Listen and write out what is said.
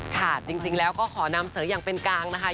ค่ะจริงแล้วก็ขอนำเสนออย่างเป็นกลางนะคะ